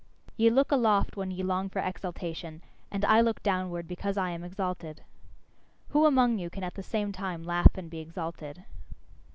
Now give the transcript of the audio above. Ye look aloft when ye long for exaltation; and I look downward because I am exalted. Who among you can at the same time laugh and be exalted?